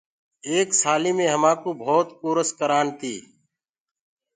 ايڪ سآليٚ مي همآ ڪوٚ ڪاڦيٚ سآرآ ڪورس ڪرآن تي۔